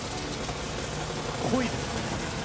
濃いですね。